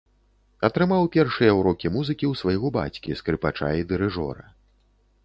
Атрымаў першыя ўрокі музыкі ў свайго бацькі, скрыпача і дырыжора.